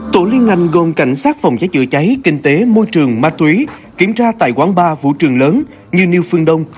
tổ liên ngành gồm cảnh sát phòng cháy chữa cháy kinh tế môi trường ma túy kiểm tra tại quán bar vũ trường lớn như new phương đông